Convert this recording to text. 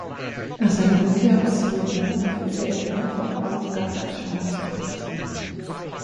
Nach seiner Rückkehr aus Vietnam erfüllte er mehrfach Aufgaben als Stabsoffizier.